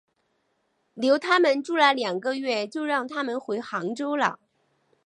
留他们住了两个月就让他们回杭州了。